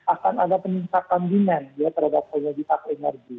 akan ada peningkatan demand terhadap kondisi tak energi